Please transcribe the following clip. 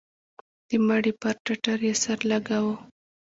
د مړي پر ټټر يې سر لگاوه.